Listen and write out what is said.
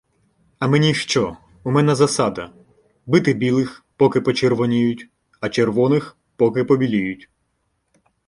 — А мені що?! У мене засада — бити білих, поки почервоніють, а червоних — поки побіліють!